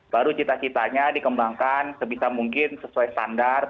baru cita citanya dikembangkan sebisa mungkin sesuai standar